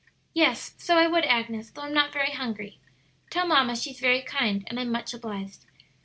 "Yes, so I would, Agnes, though I'm not very hungry. Tell mamma she's very kind, and I'm much obliged."